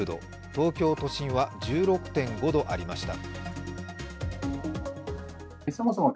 東京都心は１６．５度ありました。